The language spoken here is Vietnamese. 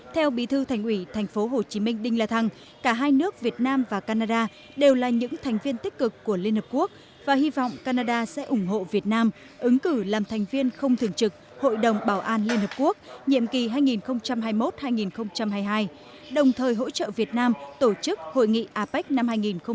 theo bí thư thành ủy tp hcm đinh la thăng cả hai nước việt nam và canada đều là những thành viên tích cực của liên hợp quốc và hy vọng canada sẽ ủng hộ việt nam ứng cử làm thành viên không thường trực hội đồng bảo an liên hợp quốc nhiệm kỳ hai nghìn hai mươi một hai nghìn hai mươi hai đồng thời hỗ trợ việt nam tổ chức hội nghị apec năm hai nghìn hai mươi